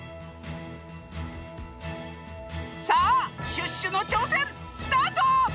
さあシュッシュのちょうせんスタート！